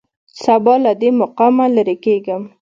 سبا له دې مقامه لېرې کېږم.